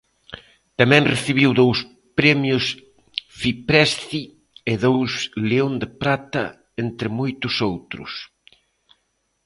Tamén recibiu dous Premio Fipresci e dous León de Prata, entre moitos outros.